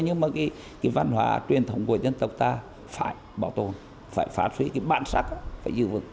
nhưng mà cái văn hóa truyền thống của dân tộc ta phải bảo tồn phải phát huy cái bản sắc phải giữ vững